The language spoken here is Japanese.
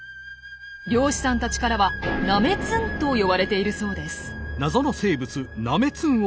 漁師さんたちからは「ナメツン」と呼ばれているそうです。